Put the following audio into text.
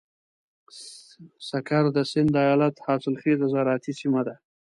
سکر د سيند ايالت حاصلخېزه زراعتي سيمه ده.